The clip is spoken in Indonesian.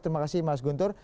terima kasih mas guntur